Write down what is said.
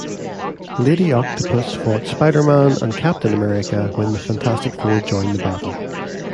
Lady Octopus fought Spider-Man and Captain America when the Fantastic Four join the battle.